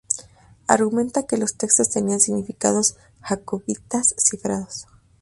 Argumenta que los textos tenían significados Jacobitas cifrados.